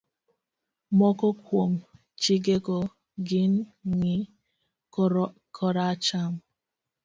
Moko kuom chikego gin, ng'i koracham,